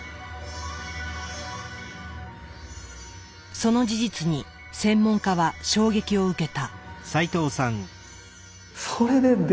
その事実に専門家は衝撃を受けた。